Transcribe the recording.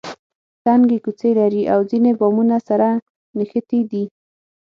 تنګې کوڅې لري او ځینې بامونه سره نښتي دي.